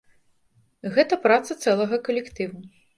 Гэта праца цэлага калектыву.